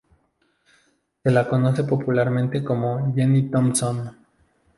Se la conoce popularmente como Jenny Thompson.